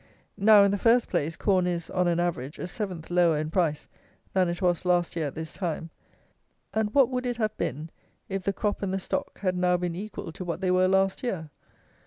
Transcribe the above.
Now, in the first place, corn is, on an average, a seventh lower in price than it was last year at this time; and what would it have been, if the crop and the stock had now been equal to what they were last year?